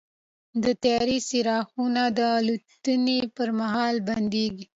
د طیارې څرخونه د الوتنې پر مهال بندېږي.